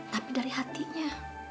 tapi dari hatinya